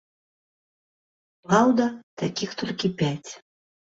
Праўда, такіх толькі пяць.